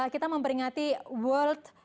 kita memberingati world